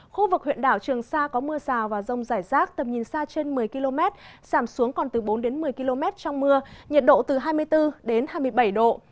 khu vực huyện đảo trường sa có mưa rào và rông rải rác tầm nhìn xa trên một mươi km giảm xuống còn từ bốn đến một mươi km trong mưa nhiệt độ từ hai mươi bốn đến hai mươi bảy độ